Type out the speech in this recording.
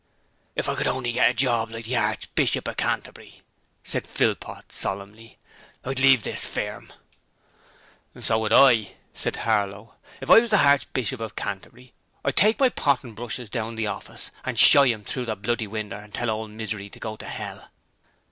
'If I could only get a job like the Harchbishop of Canterbury,' said Philpot, solemnly, 'I'd leave this firm.' 'So would I,' said Harlow, 'if I was the Harchbishop of Canterbury, I'd take my pot and brushes down the office and shy 'em through the bloody winder and tell ole Misery to go to 'ell.'